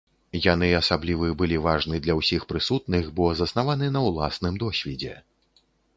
Яны асаблівы былі важны для ўсіх прысутных, бо заснаваны на ўласным досведзе.